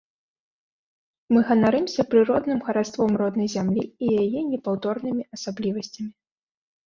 Мы ганарымся прыродным хараством роднай зямлі і яе непаўторнымі асаблівасцямі.